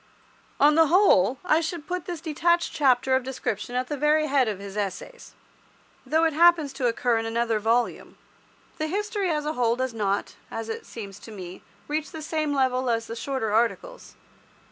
On the whole, I should put this detached chapter of description at the very head of his Essays, though it happens to occur in another volume. The History as a whole does not, as it seems to me, reach the same level as the shorter articles.